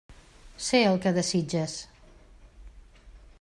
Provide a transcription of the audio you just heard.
Sé el que desitges.